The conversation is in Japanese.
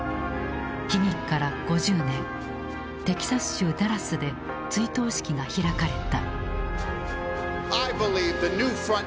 悲劇から５０年テキサス州ダラスで追悼式が開かれた。